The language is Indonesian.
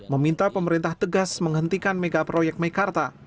meminta pemerintah tegas menghentikan megaproyek mekarta